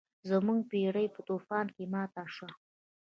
زموږ بیړۍ په طوفان کې ماته شوه.